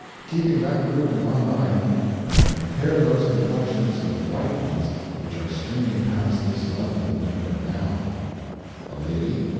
Keeping that group in my mind, I can compare those complexions with the white ones which are streaming past this London window now: A lady.